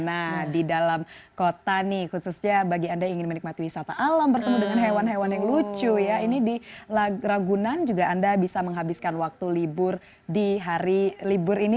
nah di dalam kota nih khususnya bagi anda yang ingin menikmati wisata alam bertemu dengan hewan hewan yang lucu ya ini di ragunan juga anda bisa menghabiskan waktu libur di hari libur ini